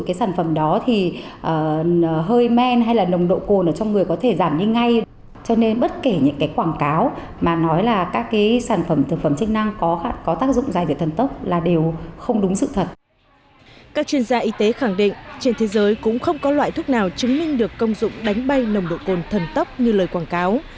các chuyên gia y tế khẳng định trên thế giới cũng không có loại thuốc nào chứng minh được công dụng đánh bay nồng độ cồn thần tốc như lời quảng cáo